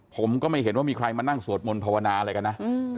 ผมก็ไม่เห็นว่ามีใครมานั่งสวดมนต์ภาวนาอะไรกันนะ